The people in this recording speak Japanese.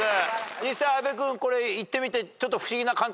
実際阿部君これ行ってみてちょっと不思議な感覚になった？